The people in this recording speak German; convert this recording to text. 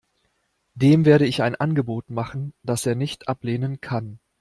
Dem werde ich ein Angebot machen, das er nicht ablehnen kann.